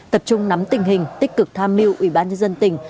tập trung nắm tình hình tích cực tham mưu ủy ban nhân dân tỉnh